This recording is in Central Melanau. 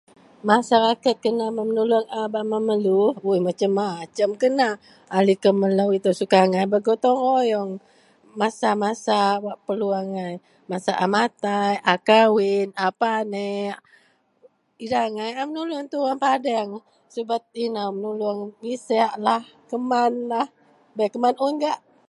masyarakat kena menulung a bak memerlu, ui macam-macam kena, a liko melou itou suka agai bergotong-royong masa-masa perlu agai, masa a matai, a kawin, a paneak, idak agai a menulung turun padang subet inou menulung miseklah, kemanlah, bei keman un gak